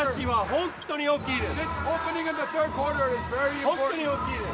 本当に大きいです。